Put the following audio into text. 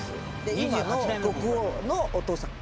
今の国王のお父さん。